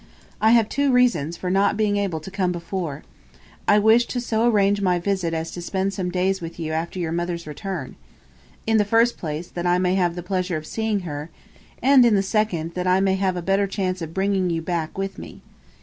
I have two reasons for not being able to come before. I wish so to arrange my visit as to spend some days with you after your mother's return. In the 1st place, that I may have the pleasure of seeing her, and in the 2nd, that I may have a better chance of bringing you back with me.